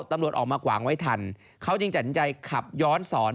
ตำรวจออกมากวางไว้ทันเขาจึงจัดสินใจขับย้อนสอน